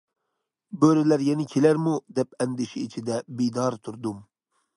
« بۆرىلەر يەنە كېلەرمۇ؟» دەپ ئەندىشە ئىچىدە بىدار تۇردۇم.